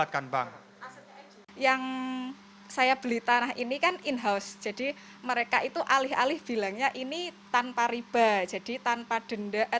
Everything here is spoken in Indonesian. tanpa melibatkan bank